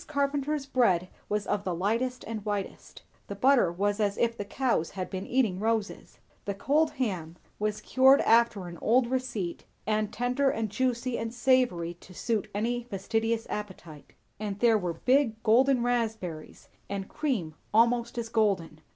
Carpenter's bread was of the lightest and whitest; the butter was as if the cows had been eating roses; the cold ham was cured after an old receipt, and tender and juicy and savoury to suit any fastidious appetite; and there were big golden raspberries, and cream almost as golden.